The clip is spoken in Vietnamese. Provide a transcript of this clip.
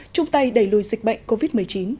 chung tay đẩy lùi dịch bệnh covid một mươi chín